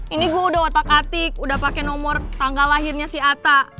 ini gue udah otak atik udah pakai nomor tanggal lahirnya si atta